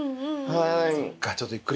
はい。